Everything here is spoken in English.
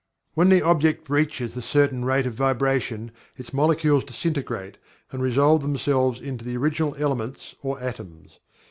When the object reaches a certain rate of vibration its molecules disintegrate, and resolve themselves into the original elements or atoms.